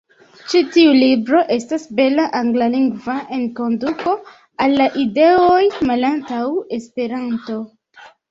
Ĉi tiu libro estas bela anglalingva enkonduko al la ideoj malantaŭ Esperanto.